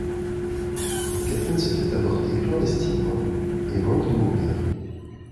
Catherine se fait avorter clandestinement et manque de mourir.